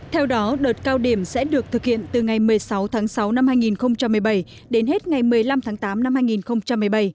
theo đó đợt cao điểm sẽ được thực hiện từ ngày một mươi sáu tháng sáu năm hai nghìn một mươi bảy đến hết ngày một mươi năm tháng tám năm hai nghìn một mươi bảy